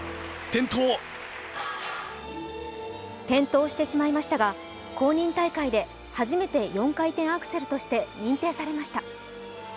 転倒してしまいましたが公認大会で初めて４回転アクセルとして認定されました。